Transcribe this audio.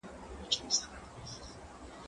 زه کولای سم درسونه اورم،